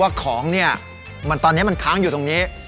ของเนี่ยตอนนี้มันค้างอยู่ตรงนี้